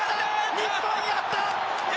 日本、やった！